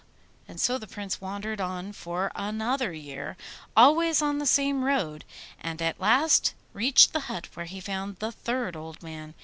And so the Prince wandered on for another year, always on the same road, and at last reached the hut where he found the third old man.